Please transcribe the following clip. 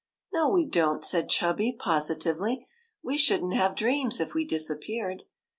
" No, we don't," said Chubby, positively. '' We should n't have dreams if we disappeared."